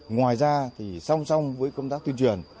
ngoài ra thì song song với công tác tuyên truyền